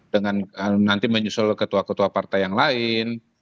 dengan nanti menyusul ketua ketua partai yang lain